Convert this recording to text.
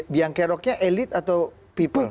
biang keroknya elit atau people